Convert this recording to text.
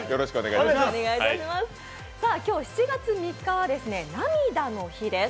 今日７月３日は涙の日です。